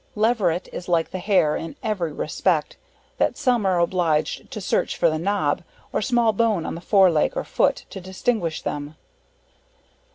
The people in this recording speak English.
Leveret, is like the Hare in every respect, that some are obliged to search for the knob, or small bone on the fore leg or foot, to distinguish them.